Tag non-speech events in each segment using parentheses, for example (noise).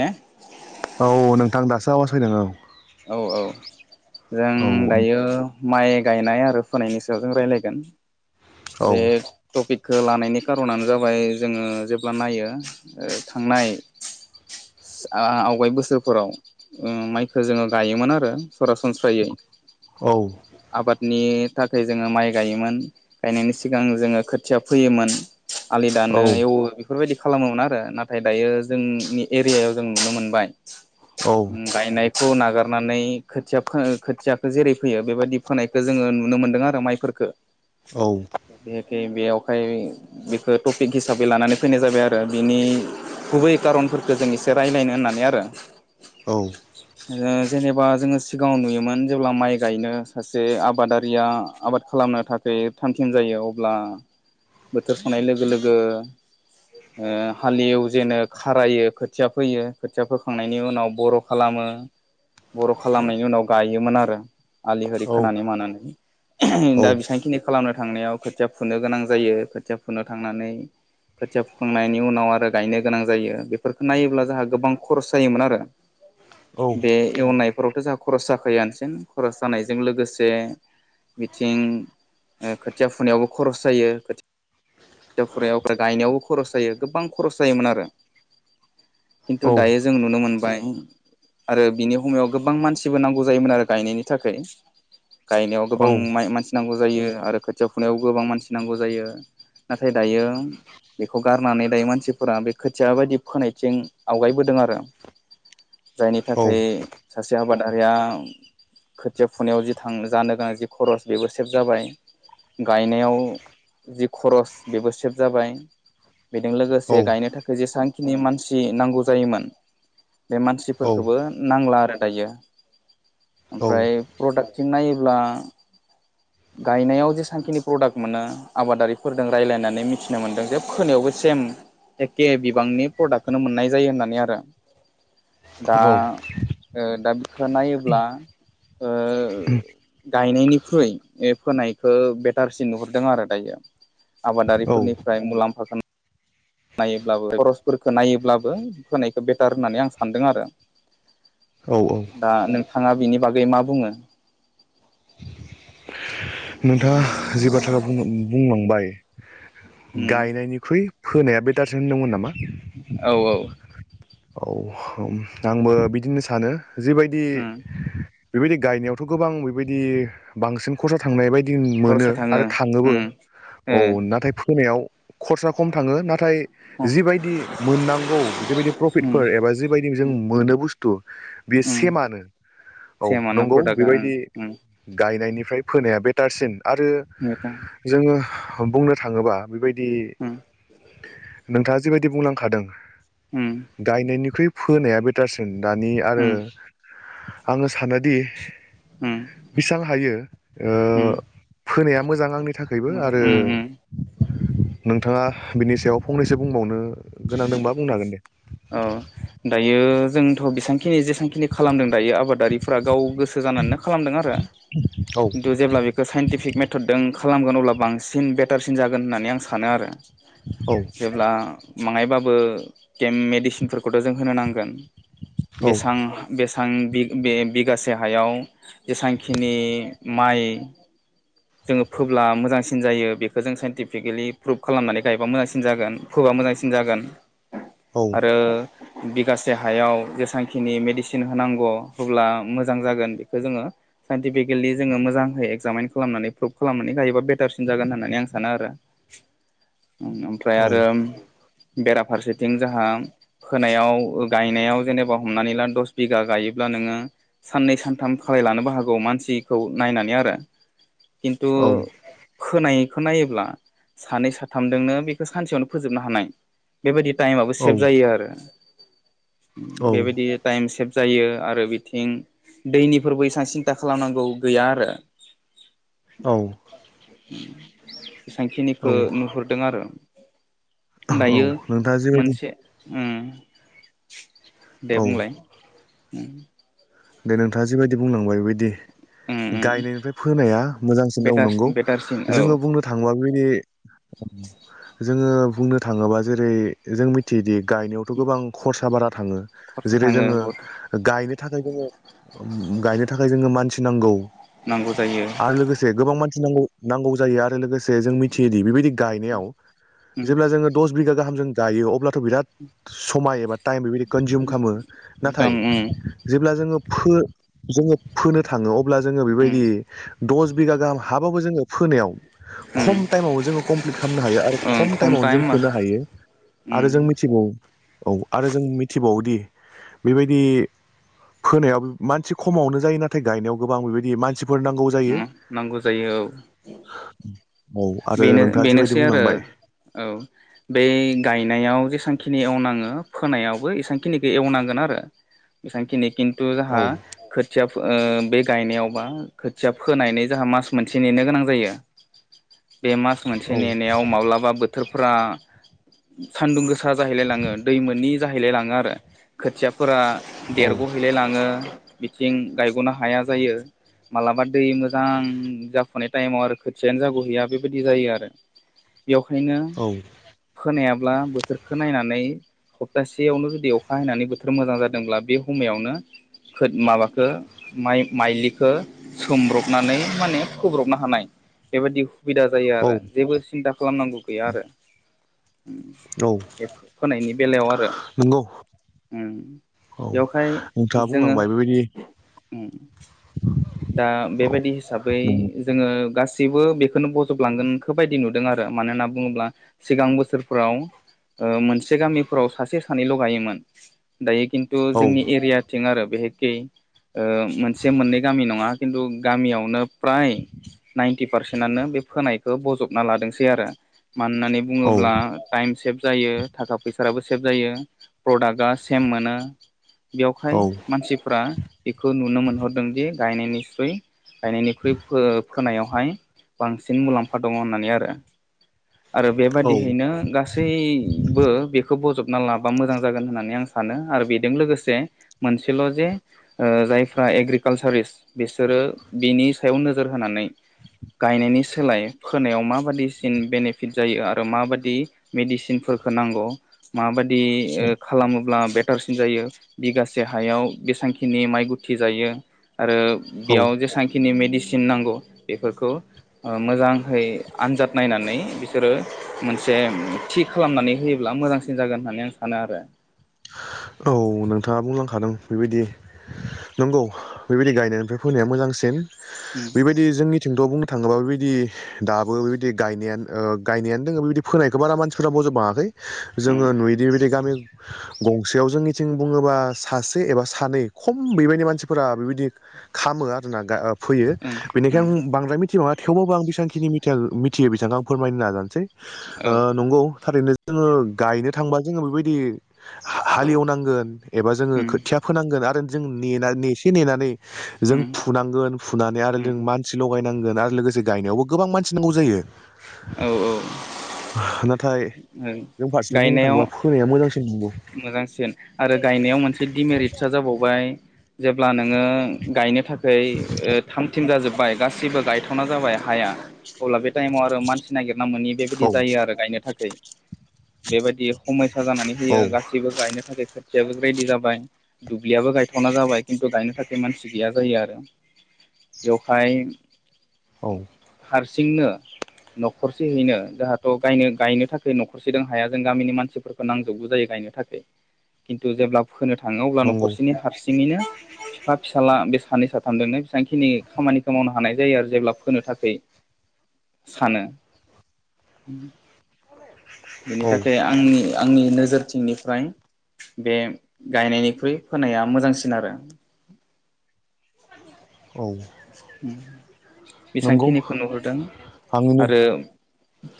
ने औ नोंथां दासो आवास फैदों औ औ औ जों दायो माइ गायनाय आरो फोनायनि सायाव जों राय्लायगोन औ बे टपिक खौ लानायनि कारनानो जाबाय जोङो जेब्ला नायो ओ थांनाय आ-आवगाय बोसोरफोराव ओम माइखौ जोङो गायोमोन आरो सरासनस्रायै औ आबाद नि थाखाय जोङो माइ गायोमोन गायनायनि सिगां जोङो खोथिया फोयोमोन आलि दानो एवो बेफोरबायदि खालामोमोन आरो नाथाय दायो जोंनि एरियायाव जों नुनो मोनबाय औ ओम गायनायखौ नागार नानै खोथिया फो खोथियाखौ जेरै फैयो बेबायदि फोनायखौ जोङो नुनो मोनदों आरो माइफोरखौ औ (unintelligible) बेयावहाय बेखौ टपिक हिसाबै लानानै फैनाय जाबाय आरो बिनि गुबै कारनफोरखौ जों एसे रायज्लायनो होननानै आरो। औ जेनेबा जोङो सिगाङाव नुयोमोन जेब्ला माइ गायनो सासे आबादारिया आबाद खालामनो थाखाय थाम थिम जायो अब्ला बोथोर संनाय लोगो लोगो ओ हालिव जेनो खारायो खोथिया फोयो खोथिया फोखांनायनि उनाव बर' खालामो ओ बर' खालामनायनि उनाव गायोमोन आरो आलि हरि औ खोनानानै मानानै औ दा बेसांखिनि खालामनो थांनायाव खोथिया फुनो गोनां जायो खोथिया फुनो थांनानै खोथिया फुखांनायनि उनाव आरो गायनो गोनां जायो बेफोरखौ नायोब्ला जोंहा गोबां खरस जायोमोन आरो औ न'खावथ' जोंहा खरस जाखायोनोसिन खरस जानायजों लोगोसे बिथिं खोथिया फुनायावबो खरस जायो खोथिया (unintelligible) गायनायावबो खरस जायो गोबां खरस जायोमोन आरो खिन्थु दायो जों नुनो मोनबाय आरो बिनि याव गोबां मानसिबो नांगौ जायोमोन आरो गायनायनि थाखाय। गायनायाव गोबां मानसि नांगौ जायो आरो खोथिया फुनायाव गोबां मानसि नांगौ जायो नाथाय दायो बेखौ गारनानै दायो मानसिफोरा बे खोथिया बायदि फोनायथिं आवगायबोदों आरो जायनि थाखाय सासे आबादारिया खोथिया फुनायाव जि थां जानो गोनां जि खरस बेबो सेभ जाबाय गायनायाव जि खरस बेबो सेभ जाबाय। बेजों लोगोसे गायनो थाखाय जेसांखिनि मानसि नांगौ जायोमोन। बे मानसिफोरखौबो नांला आरो दायो ओमफ्राय प्रडाक्थिं नायोब्ला ब्ला गायनायाव जेसेांखिनि प्रडाक्ट मोनो आबादारिफोरदों रायज्लायनानै मिथिनो मोनदों जे फोनायावबो सेम एखे बिबांनि प्रडाक्टखौनो मोननाय जायो होननानै आरो दा औ ओ दा बिखौ नायोब्ला ओ गायनायनिख्रुइ होनायखो बेटारसिन नुहुरदों आरो दायो औ आबादारिफोरनिफ्राय मुलाम्फा (unintelligible) नायोब्लाबो खरसफोरखौ नायोब्लाबो होनायखौ बेटार होननानै आं सानदों आरो औ औ दा नोंथाङा बिनि बागै मा बुङो नोंथाङा जि बाथ्राखौ बुं बुंलांबाय उम गायनायनिख्रुइ फोनाया बेटारसो होनदोंमोन नामा औ औ। औ औ आंबो बिदिनो सानो जिबायदि उम बेबायदि गायनायावथ' गोबां बेबायदि बांसिन खरसा थांनाय बायदि दि मोनो खरसा थाङो आरो थाङोबो उम औ ओ नाथाय होनायाव खरसा खम थाङो नाथाय जिबायदि मोननांगौ बिदिबायदि उम एबा जिबायदि जों उम मोनो बुस्थु बेयो सेमानो औ नंगौ बेबायदि गा गायनायनिफ्राय फोनाया बेटारसिन आरो जोङो बुंनो थाङोबा बेबायदि नोंथाङा जिबायदि बुंलांखादों। गायनायनिख्रुइ फोनाया बेटारसिन दानि आरो उम आङो सानोदि उम बेसेबां हायो ओ उम फोनाया मोजां आंनि थाखायबो मोजां आरो उम नों। उम नोंथाङा बिनि सायाव फंनैसो बुंबावनो गोनांदोंबा बुंनो हागोन दे औ दायो जोंथ' बेसेबांखिनि जेसांखिनि खालामदों दायो आबादारिफोरा गाव गोसो गोसो जानानैनो खालामदों आरो औ खिन्थु जेब्ला बेखौ साइन्टिफिक मेथडदों खालामगोन अब्ला बांसिन बेटारसिन जागोन होननानै आं सानो आरो औ जेब्ला बाङायबाबो मेग मेडिसिनफोरखौथ' जों होनो नांगोन औ बेसां बेसां आं बे बिगासे हायाव जेसेबांखिनि माइ जोङो फोब्ला मोजांसिन जायो बेखौ जों साइन्टिफिकेलि प्रुभ खालामनानै गायबा मोजांसिन जागोन फोबा मोजांसिन जागोन औ आरो बिगासे हायाव जेसेबांखिनि मेडिसिन होनांगौ होब्ला मोजां जागोन बेखो जोङो साइन्टिफिकेलि जोङो मोजांहै एगजामिन खालामनानै प्रुभ खालामनानै गायोबा बेटारसिन जागोन होननानै आं सानो आरो ओमफ्राय औ आरो बेराफारसेथिं जाहा फोनायाव गायनायाव जेनेबा हमनानै ला दस बिघा गायोब्ला नोङो साननै सानथाम लानोबो हागौ मानसिखौ नायनानै आरो खिन्थु औ खोनाय बेखौ नायोब्ला सानै साथामजोंनो बेखो सानसेयावनो फोजोबनो हानाय बेबायदि टाइमाबबो औ सेभ जायो आरो बेबायदि टाइम सेब जायो आरो बिथिं दैनिफोरबो एसेबां सिन्था खालामनांगौ गैया आरो औ औ बेसांखिनिखौ नुहुरदों आरो दायो औ नोंथाङा जिबायदि मोनसे उम दे औ बुंलाय दे नोंथाङा जिबायदि बुंलांबाय बिदि उम उम गायनायनिफ्राय फोनाया मोजांसिन औ बेटार नंगौ बेटारसिन औ जोङो बुंनो थाङोबा बिदि (unintelligible) जोङो बुंनो थाङोबा जेरै जों मिथियोदि गायनायावथ' गोबां खरसा बारा थाङो खरसा जेरै थाङो जोङो बहुद गायनो थाखाय जोङो गायनो थाखाय जोङो मानसि नांगौ नांगौ जायो आरो लोगोसे गोबां मानसि नांगौ जायो आरो लोगो जों मिथियोदि बेबादि गायनायाव उम जेब्ला जों दस बिघा गाहाम जों गायो अब्ला बिराद समाय एबा टाइम बेबायदि कनजउम खालामो एकदम नाथाय उम जेब्ला जोङो फो जोङो फोनो थाङो अब्ला जोङो उम बेबायदि दस बिगा गाहाम हाबाबो जोङो फोनायाव उम खम टाइमावनो जोङो कमप्लिट खालामनो हायो आरो ओं खम टाइमावनो जों टाइम फोनो हायो आरो उम जों मिथिबावो औ आरो जों मिथिबावोदि बेबायदि फोनायाव मानसि खमावनो जायो नाथाय गायनायाव गोबां बेबायदि मानसि सिफोर नांगौ जायो उम नांगौ जायो औ औ आरो बेनो नोंथाङा जिबायदि बेनोसै आरो बुंलांबाय औ बै गायनायाव जेसां खिनि एवनाङो फोनायावबो इसबांखिनिखौ एवनांगोन आरो इसांखिनि किन्तु औ जोंहा खोथिया बे गायनायावबा खोथिया फोनायानै जोंहा मास मोनसे नेनो गोनां जायो बे मास मोनसे औ नेनायाव माब्लाबा बोथोर फ्रा सान्दुं गोसा जाहैलाय लाङो दै मोननि जाहैलाय लाङो आरो खोथिया फोर औ देरग'हैलाय लाङो बिथिं गायग'नो हाया जायो माबलाबा दै मोजां जाफुनाय टाइमाव आरो खोथियानो जागो हैया बेबायदि जायो आरो बेखायनो औ फोनायाब्ला बोथोरखौ नायनानै सप्तासेयावनो जुदि अखा हैनानै बोथोर मोजां जादोंब्ला बे समायावनो ख माबााख माइ माइलिखौ सोमब्रबनानै माने खोब्रबनो हानाय बेबायदि सुबिदा जायो औ आरो जेबो सिन्था खालामनांगौ गैया आरो औ बे फोनायनि बेलायाव आरो नंगौ औ बेवहाय नोंथाङा जोङो बुंलांबाय बेबायदि दा औ बेबायदि हिसाबै नों जोङो गासिबो बेखौनो बजबलांगोनखौ बायदि नुदों आरो मानो होनना बुङोब्ला सिगां बोसोरफ्राव मोनसे गामिफोराव सासे सानैल' गायोमोन दायो खिन्थु औ जोंनि एरियाथिं आरो बेहायखि मोनसे मोननै नंङा खिनथु गामियावनो फ्राय नाइनथि फारसेन नानो बे फोनाय खौ बजबना लादोंसै आरो मानो होननानै औ बुङोब्ला टाइम सेभ जायो थाखा फैसाबो सेब जायो प्रडाक्टआ सेम मोनो। बेयावहाय औ मानसिफ्रा बेखौ नुनो मोनहरदों दि गायनायनिस्रुइ गायनायनिख्रुइ फोनायावहाय बांसिन मुलाम्फा दङो होननानै आरो। आरो औ बेबादियैनो गासैबो बेखौ बोजब ना लाबा मोजां जागोन होननानै आं सानो आरो बेजों लोगोसे मोनसेल' जे जायफ्रा एग्रिकालसारस्ट बिसोरो बिनि सायाव नोजोर होनानै गायनायनि सोलाय फोनायाव माबाददिसिन बेनिफिट जायो आरो माबाददि मेडिसिनफोर होनांगौ मा बादि खालामोब्ला थारसिन जायो बिगासे हायाव बेसेबांखिनि माइ गुथि जायो आरो औ बेयाव जेसेबांखिनि मेडिसिन नांगौ बेफोरखौ मोजांहै आनजाद नायनानै बिसोरो मोनसे थि खालामनानै होयोब्ला दा मोजांसिन जागोन होननानै आं सानो आरो। औ नोंथाङा बुंलांखादों बेबायदि नंगौ बेबायदि गायनायनिफ्राय फोनाया मोजांसिन उम बेबायदि जोंनिथिंथ' बुंनो थाङोबा बेबायदि बिदि दाबो बेबायदि गायनायानो गायनायानो दङ बिबायदि फोनायखौ बारा मानसिफ्रा बजब बाङाखै जोङो उम नुयदि बिदि गामि गंसेयाव जोंनिथिं बुङोबा सासे एबा सानै खम बेबायदि मानसिफोरा बेबायदि खामो आरोना फैयो बेनिखाय उम उम आं बांद्राय मिथिबङा थेवबाबो आं बेबांखिनि मिथियो बेसांखौ आं फोरमायनो नाजानोसै औ सै नंगौ थारैनो जोङो गायनो थांबा जोङो बेबायदि हालेवनांगोन एबा जोङो उम खोथिया फोनांगोन आरो जों नेसे नेनानै जों उम फुनांगोन फुनानै आरो उम जों मानसि लगाय नांगोन गायनायावबो गोबां मानसि नांगौ जायो। औ औ जों फारसें बुंनो गायनायाव थाङोब्ला फोनाया मोजांसि मोजांसिन आरो गायनायाव मोनसे दिडमेरिटसआ जाबावबाय। जेब्ला नोङो गायनो थाखाय थामथिं जाजोब खांबाय गासिबो गायथावना जाबाय हाया अब्ला बे टाइमाव आरो मानसि नागिरना मोनोनि औ बेबायदि जायो आरो गायनो थाखाय बेबायदि समयसा जानानै फैयो औ गासैबो गायनो थाखाय खोथि खोथियाबो रेडि जाबाय दुब्लियाबो गायथावना जाबाय खिन्थु गायनो थाखाय मानसि गैया जायो आरो। बेवहाय औ हारसिंनो न'खरसेयैनो जाहाथ' गायनो गायनो न'खरसे दं हाया जों गामिनि मानसिफोरखौ नांजोबगौ जायो गायनो थाखाय खिन्थु जेब्ला फोनो थाङो अब्ला नंगौ न'खरसेनि हारसिङैनो बिफा फिसाला बे सानैनै साथामजोंनो बेसेबांखिनि खामानिखौ मावनो हानाय जायो आरो जेब्ला फोनो थाखाय सानो बेनि औ थाखाय आंनि आंनि नोजोरथिंनिफ्राय बे गायनायनिख्रुइ फोनाया मोजांसिन आरो। औ। नंगौ बेसेबांखिनिखौ नुहुरदों आंनिनो आरो।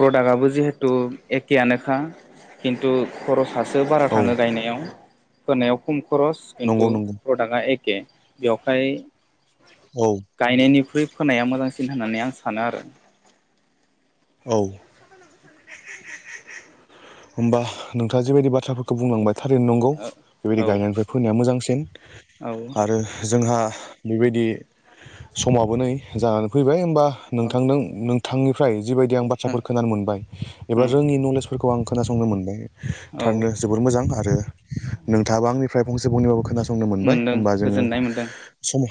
प्रडाक्ट आआबो जिहेथु एखेयनोखा खिन्थु खरस थासो बारा औ थाङो गायनायाव होनायाव खम खरस नंगौ खिन्थु नंगौ प्रडाक्टआ एक बेवहाय औ गायनायनिख्रुइ फोनाया मोजांसिन होननानै आं सानो आरो। औ। होमबा नोंथाङा जेबायदि बाथ्राफोरखौ बुंलांबाय। थारैनो नंगौ औ औ बेबायदि गायनायनिफ्राय फोनाया मोजांसिन औ आरो जोंहा। बेबायदि समाबो नै जानानै फैबाय होमबा औ नोंथां नोंथांनि फ्राय जिबायदि आं बाथ्राफोर खोनानो मोनबाय एबा रोङि नलेजफोरखौ आं खोनासंनो मोनबाय। औ थारैनो जोबोर मोजां आरो नोंथाङाबो आंनिफ्राय फंसे फंनैबाबो खोना। संनोमोनबाय मोनदों होमबा जोंङो गोजोननाय मोनदों सम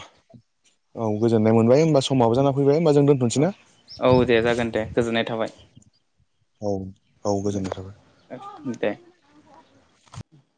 औ गोजोनाय मोनबाय होमबा स समाबो जाना फैबाय होमबा जों दोनथ'नोसै औ ना? औ दे जागोन दे गोजोननाय थाबाय। औ। औ गोजोननाय थाबाय दे।